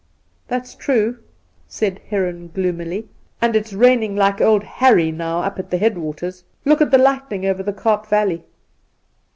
' That's true,' said Heron gloomily ;' and it's raining like old Harry now up at the headwaters. Look at the lightning over the Kaap Valley